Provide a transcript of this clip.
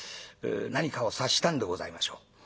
何かを察したんでございましょう。